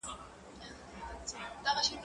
دا شګه له هغه پاکه ده؟